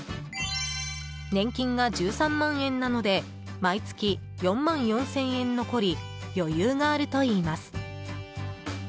年金が１３万円なので毎月４万４０００円残り余裕があるといいます。